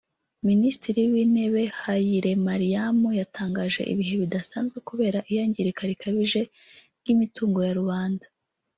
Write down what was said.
Minisitiri w’Intebe Hailemariam yatangaje ibihe bidasanzwe kubera iyangirika rikabije ry’imitungo ya rubanda